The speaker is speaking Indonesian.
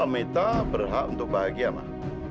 meta berhak untuk bahagia ma